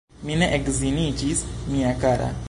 Mi ne edziniĝis, mia kara!